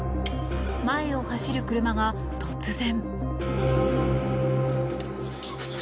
前を走る車が突然。